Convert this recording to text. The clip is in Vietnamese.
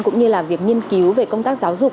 cũng như là việc nghiên cứu về công tác giáo dục